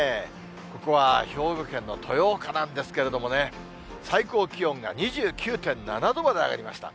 ここは兵庫県の豊岡なんですけれどもね、最高気温が２９．７度まで上がりました。